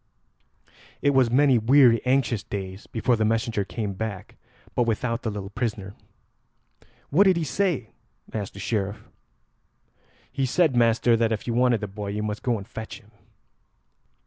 It was many weary anxious days before the messenger came back, but without the little prisoner. "What did he say?" asked the Sheriff. "He said, master, that if you wanted the boy you must go and fetch him."